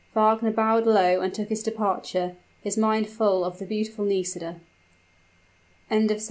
Wagner bowed low and took his departure, his mind full of the beautiful Nisida. CHAPTER XI.